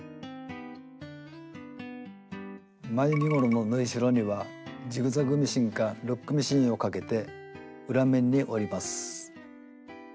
前身ごろの縫いしろにはジグザグミシンかロックミシンをかけて裏面に折ります。